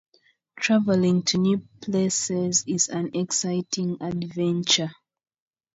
Siphons project through this end for feeding and respiration.